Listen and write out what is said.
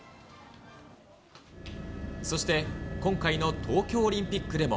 そして今回の東京オリンピックでも。